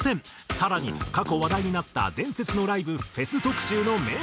更に過去話題になった伝説のライブフェス特集の名シーン。